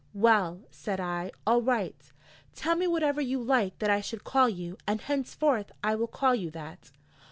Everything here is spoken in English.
'Well,' said I, 'all right: tell me whatever you like that I should call you, and henceforth I will call you that.'